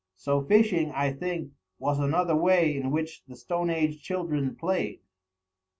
So, fishing, I think, was another way in which the stone age children played.